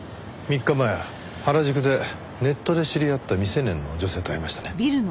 ３日前原宿でネットで知り合った未成年の女性と会いましたね。